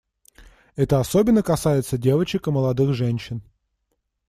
Это особенно касается девочек и молодых женщин.